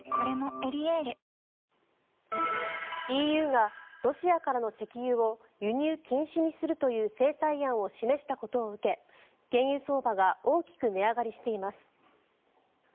ＥＵがロシアからの石油を輸入禁止にするという制裁案を示したことを受け原油相場が大きく値上がりしています。